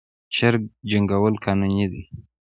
چرګ جنګول قانوني دي؟